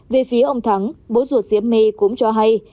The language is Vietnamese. về phía ông thắng bố ruột diễm me cũng cho hay